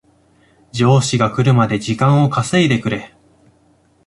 上司が来るまで時間を稼いでくれ